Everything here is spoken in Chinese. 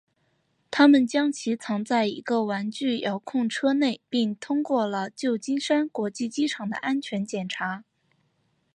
他们将其藏在一个玩具遥控车内并通过了旧金山国际机场的安全检查。